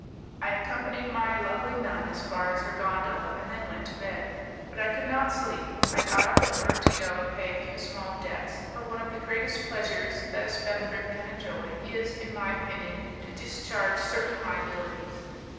I accompanied my lovely nun as far as her gondola, and then went to bed; but I could not sleep. I got up in order to go and pay a few small debts, for one of the greatest pleasures that a spendthrift can enjoy is, in my opinion, to discharge certain liabilities.